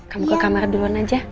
kamu ke kamar duluan aja